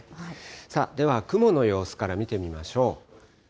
さあ、では雲の様子から見てみましょう。